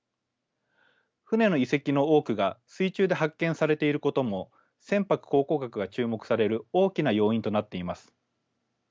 船の遺跡の多くが水中で発見されていることも船舶考古学が注目される大きな要因となっています。